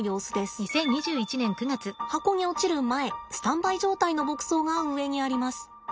箱に落ちる前スタンバイ状態の牧草が上にあります。